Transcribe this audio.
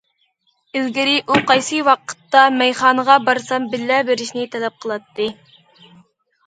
ئىلگىرى ئۇ قايسى ۋاقىتتا مەيخانىغا بارسام بىللە بېرىشنى تەلەپ قىلاتتى.